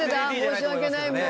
申し訳ないもう。